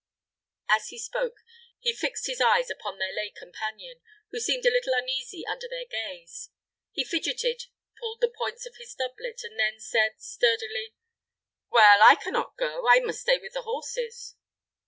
As he spoke, he fixed his eyes upon their lay companion, who seemed a little uneasy under their gaze. He fidgeted, pulled the points of his doublet, and then said, sturdily, "Well, I can not go. I must stay with the horses."